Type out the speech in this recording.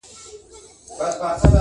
د غم کور به وي سوځلی د ښادۍ قاصد راغلی!.